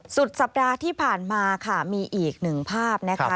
สุดสัปดาห์ที่ผ่านมาค่ะมีอีกหนึ่งภาพนะคะ